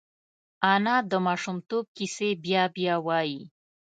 انا د ماشومتوب کیسې بیا بیا وايي